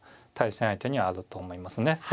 対戦相手にあると思いますね。